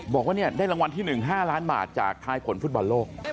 บอกว่าได้รางวัลที่๑๕ล้านบาทจากทายผลฟุตบอลโลก